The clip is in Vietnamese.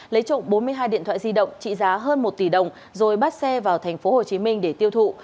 lấy trộm bốn mươi hai điện thoại di động trị giá hơn một tỷ đồng rồi bắt xe vào thành phố hồ chí minh để tiêu thụ